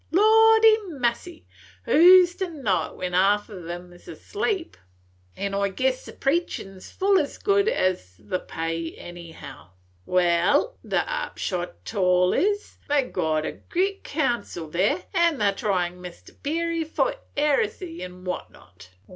Lordy massy, who 's to know it, when half on em 's asleep? And I guess the preachin 's full as good as the pay anyhow. Wal, the upshot on 't all is, they got a gret counsel there, an they 're a tryin' Mr. Perry for heresy an' what not.